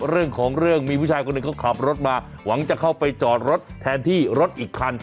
เรื่องของเรื่องมีผู้ชายคนหนึ่งเขาขับรถมาหวังจะเข้าไปจอดรถแทนที่รถอีกคัน